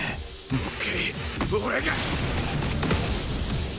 もう一回俺が！